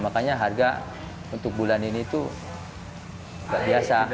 makanya harga untuk bulan ini itu tidak biasa